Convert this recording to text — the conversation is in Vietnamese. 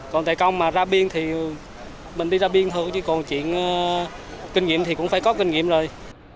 còn tại công mà ra biên thì mình đi ra biên thôi chứ còn chuyện kinh nghiệm thì cũng phải có kinh nghiệm rồi